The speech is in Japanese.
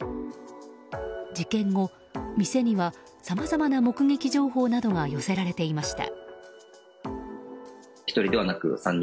事件後、店にはさまざまな目撃情報などが寄せられていました。